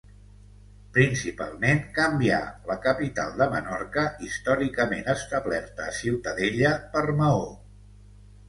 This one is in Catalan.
Principalment, canvià la capital de Menorca, històricament establerta a Ciutadella, per Maó.